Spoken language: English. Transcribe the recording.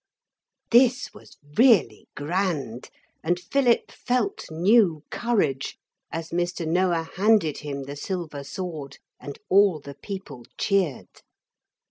This was really grand, and Philip felt new courage as Mr. Noah handed him the silver sword, and all the people cheered.